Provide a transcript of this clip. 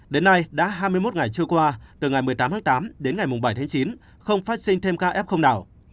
đến nay đã hai mươi một ngày trôi qua từ ngày một mươi tám tháng tám đến ngày bảy tháng chín không phát sinh thêm ca f nào